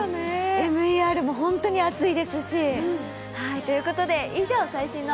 ＭＥＲも本当に熱いですし。